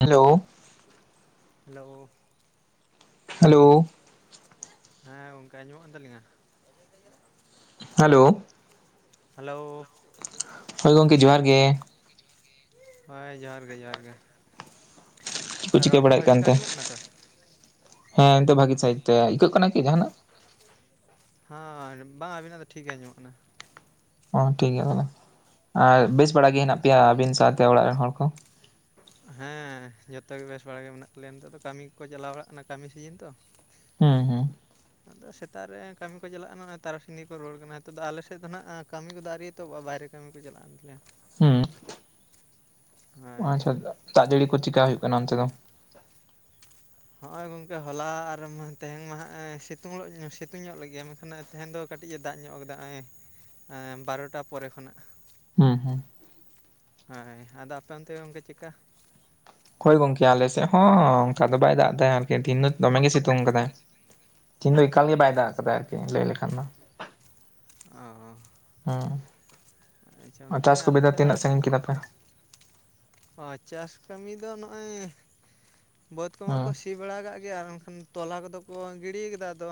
Hello, hello, hello, ᱦᱮᱸ ᱜᱚᱝᱠᱮ ᱟᱸᱡᱚᱢᱚᱜ ᱠᱟᱱ ᱛᱟᱞᱤᱧᱟ? ᱦᱮᱞᱳ, ᱦᱮᱞᱳ, ᱦᱳᱭ ᱜᱚᱝᱠᱮ ᱡᱚᱦᱟᱨ ᱜᱮ ᱾ ᱦᱳᱭ ᱡᱚᱦᱟᱨ ᱜᱮ ᱡᱚᱦᱟᱨ ᱜᱮ ᱾ [unintelligible] ᱪᱤᱠᱟ ᱵᱟᱲᱟᱭᱮᱫ ᱞᱮᱠᱟ ᱠᱟᱱᱛᱮ? ᱟᱸᱡᱚᱢᱚᱜ ᱠᱟᱱᱟ ᱛᱚ ᱦᱮᱸ ᱮᱱᱛᱮ ᱵᱷᱟᱜᱤ ᱥᱟᱭᱤᱡ ᱛᱮ ᱤᱠᱟᱹᱜ ᱠᱟᱱᱟ ᱠᱤ ᱡᱟᱦᱟᱱᱟᱜ? ᱦᱟᱸ ᱵᱟᱝ ᱟᱵᱤᱱᱟᱜ ᱫᱚ ᱴᱷᱤᱠ ᱜᱮ ᱟᱸᱡᱚᱢᱚᱜ ᱠᱟᱱᱟ ᱾ ᱚ ᱴᱷᱤᱠ ᱜᱮᱭᱟ ᱛᱟᱦᱚᱞᱮ, ᱟᱨ ᱵᱮᱥ ᱵᱟᱲᱟ ᱜᱮ ᱦᱮᱱᱟᱜ ᱯᱮᱭᱟ ᱟᱵᱤᱱ ᱥᱟᱶᱛᱮ ᱚᱲᱟᱜ ᱨᱮᱱ ᱦᱚᱲ ᱠᱚ? ᱦᱮᱸ ᱡᱚᱛᱚᱜᱮ ᱵᱮᱥ ᱵᱟᱲᱟ ᱜᱮ ᱢᱮᱱᱟᱜ ᱞᱮᱭᱟ, ᱱᱤᱛᱚᱜ ᱫᱚ ᱠᱟᱹᱢᱤ ᱠᱚ ᱪᱟᱞᱟᱣ ᱵᱟᱲᱟᱜ ᱠᱟᱱᱟ ᱠᱟᱹᱢᱤ ᱥᱤᱡᱤᱱ ᱛᱚ। ᱦᱩᱸ ᱦᱩᱸ। ᱟᱫᱚ ᱥᱮᱛᱟᱜ ᱨᱮ ᱠᱟᱹᱢᱤ ᱠᱚ ᱪᱟᱞᱟᱜᱼᱟᱱᱟᱜ ᱛᱟᱨᱟᱥᱤᱧ ᱜᱮᱠᱚ ᱨᱩᱣᱟᱹᱲ ᱠᱟᱱᱟ᱾ ᱦᱤᱛᱚᱜ ᱫᱚ ᱟᱞᱮ ᱥᱮᱫᱽᱱᱟᱜ ᱠᱟᱹᱢᱤ ᱠᱚᱫᱚ ᱟᱹᱣᱨᱤ ᱮᱛᱚᱦᱚᱵᱚᱜ-ᱟ ᱵᱟᱭᱨᱮ ᱠᱟᱹᱢᱤ ᱠᱚ ᱪᱟᱞᱟᱣᱮᱱ ᱛᱟᱞᱮᱭᱟ। ᱦᱩᱸ। ᱚᱸ ᱦᱳᱭ ᱟᱪᱪᱷᱟ ᱫᱟ, ᱫᱟᱜ ᱡᱟᱹᱲᱤ ᱠᱚ ᱪᱮᱠᱟ ᱦᱳᱭᱳᱜ ᱠᱟᱱᱟ ᱚᱱᱛᱮ ᱫᱚ? ᱦᱚᱜᱼᱚᱭ ᱜᱚᱝᱠᱮ ᱦᱚᱞᱟ ᱟᱨ ᱢᱟ ᱛᱮᱦᱮᱝ ᱢᱟ ᱦᱟᱜᱼᱮ ᱥᱤᱛᱩᱝᱞᱚᱜ ᱥᱤᱛᱩᱧᱚᱜ ᱞᱟᱜᱤᱟ, ᱢᱮᱠᱷᱟᱱᱟᱜ ᱛᱮᱦᱮᱧ ᱫᱚ ᱠᱟᱹᱴᱤᱡᱼ ᱮ ᱫᱟᱜ ᱧᱚᱜ ᱠᱟᱫᱟ ᱟᱸᱭᱮ, ᱮᱸ ᱵᱟᱨᱚᱴᱟ ᱯᱚᱨᱮ ᱠᱷᱚᱱᱟᱜ ᱾ ᱦᱩᱸ ᱦᱩᱸ᱾ ᱦᱚᱭ ᱟᱫᱚ ᱟᱯᱮ ᱚᱱᱛᱮ ᱜᱚᱝᱠᱮ ᱪᱮᱫᱠᱟ? ᱠᱽᱳᱭ ᱜᱚᱝᱠᱮ ᱟᱞᱮ ᱥᱮᱜ ᱦᱚᱸ ᱚᱝᱠᱟ ᱫᱚ ᱵᱟᱭ ᱫᱟᱜ ᱫᱟᱭ ᱦᱟᱞᱠᱮ ᱫᱽᱤᱱ ᱫᱚ ᱫᱚᱢᱮ ᱜᱮ ᱥᱤᱛᱩᱝ ᱟᱠᱟᱫᱟᱭ ᱾ ᱛᱤᱱ ᱫᱚ ᱮᱠᱟᱞ ᱜᱮ ᱵᱟᱭ ᱫᱟᱜ ᱟᱪᱪᱷᱟ ᱠᱟᱫᱟᱭ ᱟᱨᱠᱤ ᱞᱟᱹᱭ ᱞᱮᱠᱷᱟᱱ ᱫᱚ, ᱚᱸ ᱾ ᱦᱮᱸ ᱟᱨ ᱦᱮᱸ ᱪᱟᱥ ᱟᱞᱮ ᱠᱚᱵᱤᱫᱷᱟ ᱥᱮᱫ ᱛᱤᱱᱟᱹᱜ ᱥᱟᱺᱜᱤᱧ ᱠᱮᱫᱟᱯᱮ? ᱦᱚᱭ ᱪᱟᱥ ᱠᱟᱹᱢᱤ ᱫᱚ ᱱᱚᱜᱼᱚᱭ ᱵᱟᱹᱫᱽ ᱠᱚᱢᱟ ᱠᱚ ᱦᱩᱸ ᱥᱤ ᱵᱟᱲᱟ ᱟᱠᱟᱜ ᱜᱮᱭᱟ, ᱚᱝᱠᱷᱟᱱ ᱛᱚᱞᱟ ᱠᱚᱫᱚ ᱠᱚ ᱜᱤᱰᱤ ᱠᱟᱫᱟ ᱟᱫᱚ